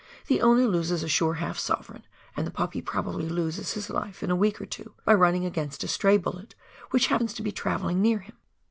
The owner loses a sure half sovereign, and the puppy probably loses his life in a week or two, by running against a stray bullet which happens to be travelling near him